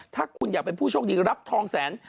ถ้าคุณอยากเป็นผู้โชคดีรับทองแสน